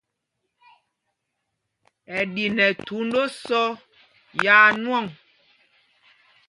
Ɛ di nɛ thūnd ósɔ́ yaa nwɔŋ.